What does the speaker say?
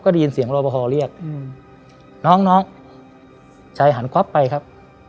ได้ยินเสียงรอบพอเรียกน้องน้องชายหันควับไปครับ